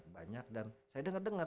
banyak dan saya dengar dengar